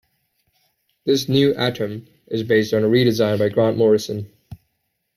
This new Atom is based on a redesign by Grant Morrison.